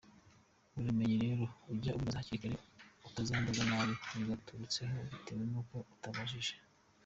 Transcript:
Uramenye rero jya ubibaza hakiri kare utazambara nabi bitaguturutseho bitewe n’uko utabajije.